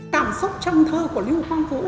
cảm xúc trong thơ của lưu quang vũ